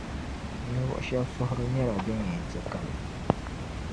Ninvuɣu shɛba suhiri nyɛla din yɛn ti kabi.